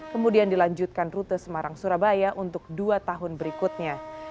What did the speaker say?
kemudian dilanjutkan rute semarang surabaya untuk dua tahun berikutnya